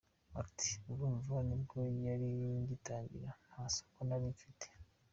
Ati “ Urumva nibwo nari ngitangira, nta soko nari mfite .